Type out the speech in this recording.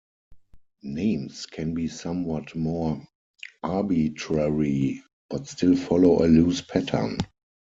Names can be somewhat more arbitrary, but still follow a loose pattern.